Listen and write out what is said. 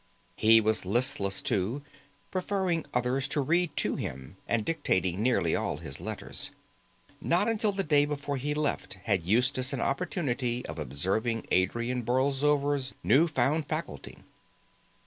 He was listless too, preferring others to read to him and dictating nearly all his letters. Not until the day before he left had Eustace an opportunity of observing Adrian Borlsover's new found faculty.